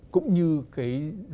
cũng như các cái hình thức thanh toán